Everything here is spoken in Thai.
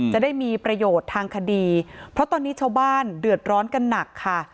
จะได้มีประโยชน์ทางคดีเพราะตอนนี้ชาวบ้านเดือดร้อนกันหนักค่ะ